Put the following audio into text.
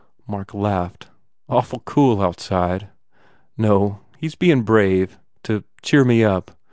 Mark laughed, "Awful cool outside. No, he s bein brave to cheer me up.